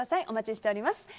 お待ちしております。